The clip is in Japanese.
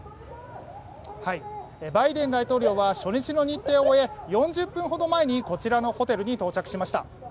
バイデン大統領は初日の日程を終え４０分ほど前にこちらのホテルに到着しました。